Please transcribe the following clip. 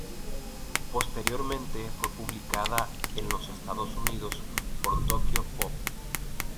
Posteriormente fue publicada en los Estados Unidos por Tokyopop.